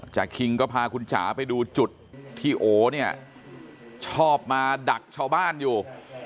คิงก็พาคุณจ๋าไปดูจุดที่โอเนี่ยชอบมาดักชาวบ้านอยู่